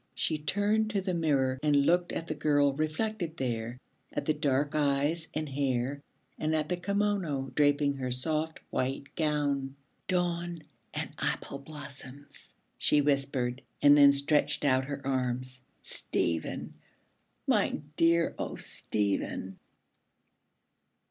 She turned to the mirror, and looked at the girl reflected there, at the dark eyes and hair and at the kimono draping her soft white gown. 'Dawn and apple blossoms,' she whispered and then stretched out her arms. 'Stephen, my dear! O Stephen.'